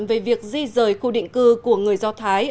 về việc di rời khu định cư của người do thái